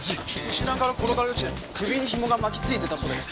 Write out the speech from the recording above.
石段から転がり落ちて首に紐が巻きついてたそうです。